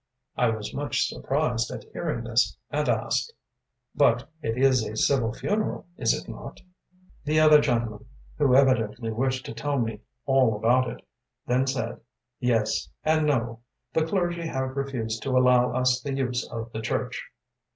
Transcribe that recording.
I was much surprised at hearing this, and asked: “But it is a civil funeral, is it not?‚ÄĚ The other gentleman, who evidently wished to tell me all about it, then said: “Yes and no. The clergy have refused to allow us the use of the church.